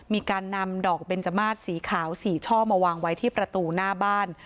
มีการนำดอกเบนจมาสสีขาว๔ช่อมาวางไว้ที่ประตูหน้าบ้าน